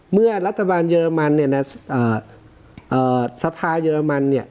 เมื่อรัฐบาลเยอรมันเนี่ยนะสภาเยอรมันเนี่ย